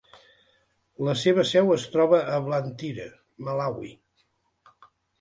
La seva seu es troba a Blantyre, Malawi.